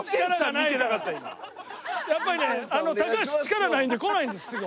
やっぱりね高橋力ないんで来ないんですすぐ。